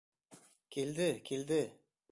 Килде, килде.